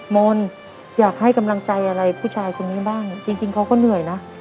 มนต์อยากให้กำลังใจอะไรผู้ชายคนนี้บ้างจริงเขาก็เหนื่อยนะ